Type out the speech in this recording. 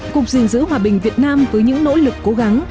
cục dình dữ hòa bình việt nam với những nỗ lực cố gắng